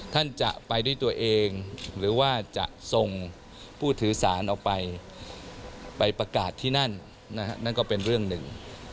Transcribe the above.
ท่านจะไปด้วยตัวเองหรือว่าจะส่งผู้ถือสารออกไปไปประกาศที่นั่นนั่นก็เป็นเรื่องหนึ่ง